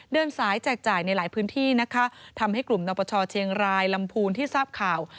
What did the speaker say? เดินสายแจกจ่ายในหลายพื้นที่นะคะทำให้กลุ่มนปชเชียงรายลำพูนที่ทราบข่าว